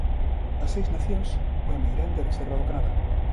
As Seis Nacións é a meirande reserva do Canadá.